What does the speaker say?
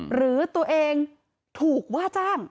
หรือตัวเองถูกว่าจ้าง